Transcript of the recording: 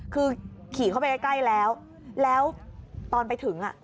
คือขี่เข้าไปใกล้แล้วแล้วตอนไปถึง